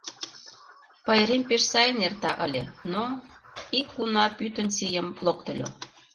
Пайрем пеш сайын эрта ыле, но... ик уна пӱтынь сийым локтыльо.